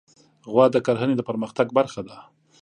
غوا د کرهڼې د پرمختګ برخه ده.